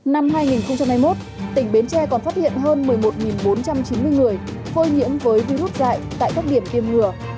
năm hai nghìn hai mươi một tỉnh bến tre còn phát hiện hơn một mươi một bốn trăm chín mươi người phôi nhiễm với virus dạy tại các điểm tiêm ngừa